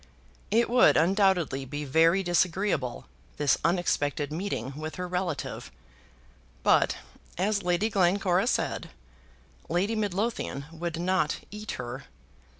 It would undoubtedly be very disagreeable, this unexpected meeting with her relative; but, as Lady Glencora said, Lady Midlothian would not eat her.